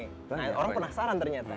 nah orang penasaran ternyata